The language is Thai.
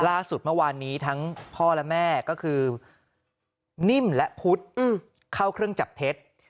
ล่าสุดเมื่อวานนี้ทั้งพ่อและแม่ก็คือนิ่มและพุทธเข้าเครื่องจับเท็จ